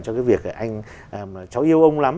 cho cái việc cháu yêu ông lắm